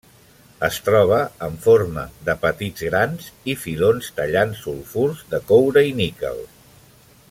Es troba en forma de petits grans i filons tallant sulfurs de coure i níquel.